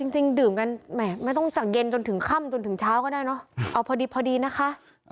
จริงดื่มกันแหมไม่ต้องจากเย็นจนถึงค่ำจนถึงเช้าก็ได้เนอะเอาพอดีพอดีนะคะ